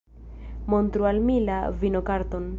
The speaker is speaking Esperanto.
Montru al mi la vinokarton.